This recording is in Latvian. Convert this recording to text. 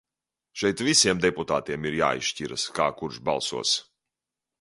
Šeit visiem deputātiem ir jāizšķiras, kā kurš balsos.